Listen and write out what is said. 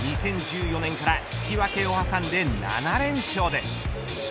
２０１４年から引き分けを挟んで７連勝です。